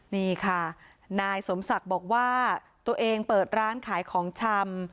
นี่ค่ะนายสมศักดิ์บอกว่าตัวเองเปิดร้านขายของชำ